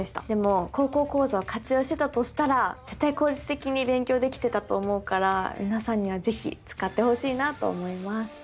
でも「高校講座」を活用してたとしたら絶対効率的に勉強できてたと思うから皆さんには是非使ってほしいなと思います。